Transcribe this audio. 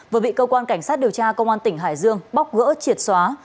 vừa bị cơ quan cảnh sát điều tra công an tỉnh hải dương bóc gỡ triệt xóa